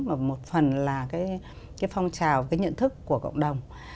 và một phần là cái phong trào cái nhận thức của cộng đồng